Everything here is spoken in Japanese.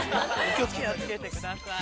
気をつけてください。